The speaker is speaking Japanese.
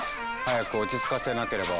早く落ち着かせなければ。